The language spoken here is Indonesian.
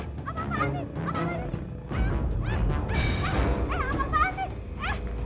saya dikejar kejar orang bang